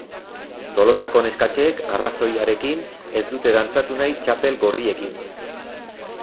Tolosako neskatxek, arrazoiarekin, ez dute dantzatu nahi txapel gorriekin.